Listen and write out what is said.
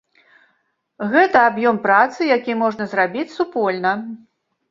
Гэта аб'ём працы, які можна зрабіць супольна.